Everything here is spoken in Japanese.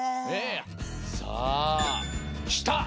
さあきた。